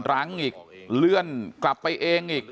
ปรากฏว่ากุญแจยังอยู่ในมือ